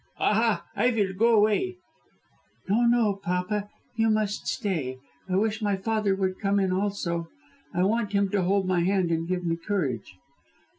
"Aha! I vill go away." "No, no, papa, you must stay. I wish my father would come in also. I want him to hold my hand and give me courage."